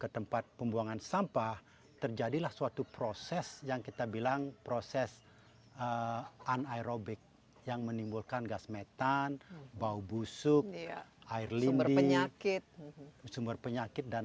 yang proses anaerobik yang menimbulkan gas metan bau busuk air lindung penyakit sumber penyakit dan